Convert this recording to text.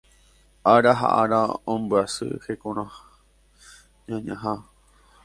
ára ha ára ombyasy hekoñañaha